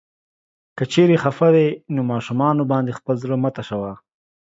که چيرې خفه وې نو ماشومانو باندې خپل زړه مه تشوه.